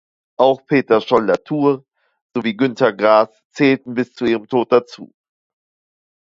Auch Peter Scholl-Latour sowie Günter Grass zählten bis zu ihrem Tod dazu.